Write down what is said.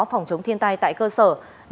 phòng chống thiên tai tại cơ sở